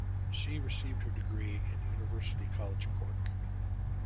She received her degree in University College Cork.